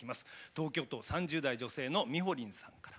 東京都３０代女性のみほりんさんから。